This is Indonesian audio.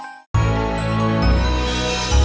ngomong sama adik juga